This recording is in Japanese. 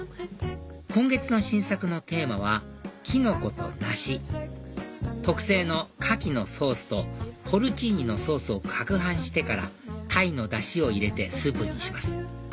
今月の新作のテーマは「キノコとダシ」特製の牡蠣のソースとポルチーニのソースを攪拌してからタイのダシを入れてスープにします